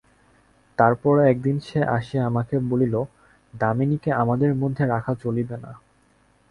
তার পরে একদিন সে আসিয়া আমাকে বলিল, দামিনীকে আমাদের মধ্যে রাখা চলিবে না।